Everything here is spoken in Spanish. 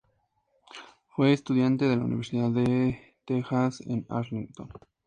Fue estudiante de la Universidad de Texas en Arlington.